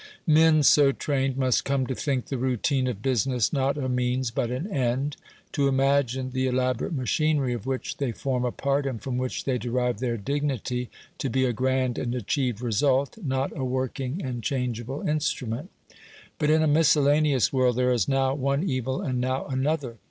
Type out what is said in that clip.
Men so trained must come to think the routine of business not a means, but an end to imagine the elaborate machinery of which they form a part, and from which they derive their dignity, to be a grand and achieved result, not a working and changeable instrument. But in a miscellaneous world, there is now one evil and now another.